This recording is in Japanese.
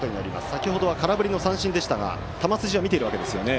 先程は空振りの三振でしたが球筋は見ているわけですよね。